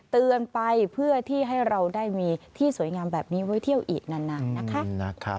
เตือนไปเพื่อที่ให้เราได้มีที่สวยงามแบบนี้ไว้เที่ยวอีกนานนะคะ